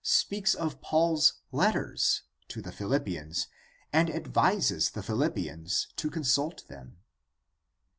speaks of Paul's "letters" to the Philippians and advises the Philippians to consult them.